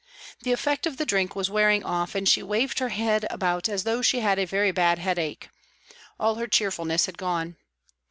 The effect of the drink was wearing off, and she waved her head about as though she had a very bad headache ; all her cheerfulness had gone.